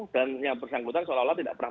dan yang bersangkutan seolah olah tidak berhasil